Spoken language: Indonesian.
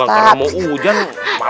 kalau bangkanya mau hujan pak ustadz